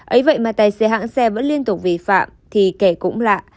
ấy vậy mà tài xế hãng xe vẫn liên tục vi phạm thì kẻ cũng lạ